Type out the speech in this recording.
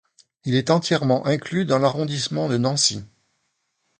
Il est entièrement inclus dans l'arrondissement de Nancy.